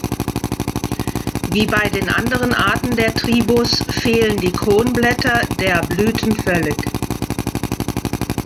Wie bei den anderen Arten der Tribus fehlen die Kronblätter der Blüten völlig.